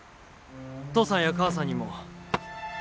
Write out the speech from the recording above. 父さんや母さんにも。